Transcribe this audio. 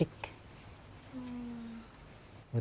melihat wilayahnya hadir itu tinggalkan ditempel